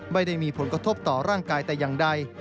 ไม่ได้มีผลกระทบต่อร่างกายแต่อย่างใด